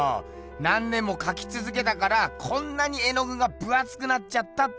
何年もかきつづけたからこんなに絵のぐが分あつくなっちゃったってことか。